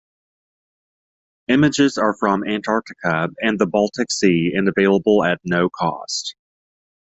Images are from Antarctica and the Baltic Sea and available at no cost.